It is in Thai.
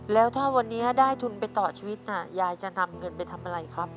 แล้วถ้าวันนี้ได้ทุนไปต่อชีวิตน่ะยายจะนำเงินไปทำอะไรครับ